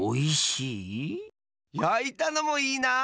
やいたのもいいな！